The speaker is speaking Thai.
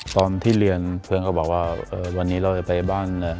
ตอนที่เรียนเพื่อนก็บอกว่าวันนี้เราจะไปบ้าน